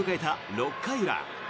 ６回裏。